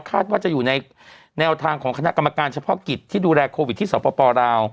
ว่าจะอยู่ในแนวทางของคณะกรรมการเฉพาะกิจที่ดูแลโควิดที่สปลาว